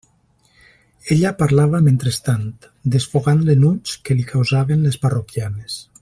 Ella parlava mentrestant, desfogant l'enuig que li causaven les parroquianes.